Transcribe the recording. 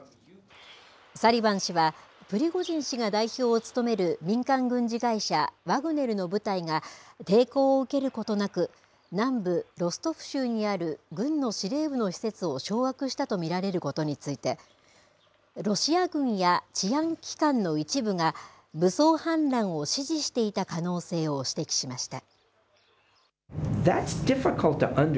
サリバン氏はプリゴジン氏が代表を務める民間軍事会社ワグネルの部隊が抵抗を受けることなく南部ロストフ州にある軍の司令部の施設を掌握したと見られることについてロシア軍や治安機関の一部が武装反乱を支持していた可能性を指摘しました。